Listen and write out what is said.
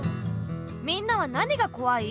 みんなはなにがこわい？